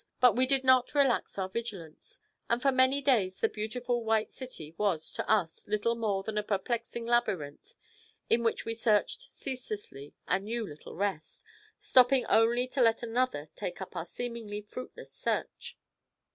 But we did not relax our vigilance, and for many days the beautiful White City was, to us, little more than a perplexing labyrinth in which we searched ceaselessly and knew little rest, stopping only to let another take up our seemingly fruitless search.